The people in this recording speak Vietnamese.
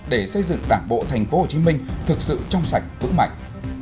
để xây dựng đảng bộ tp hcm thực sự trong sạch vững mạnh